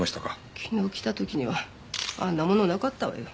昨日来た時にはあんなものなかったわよ。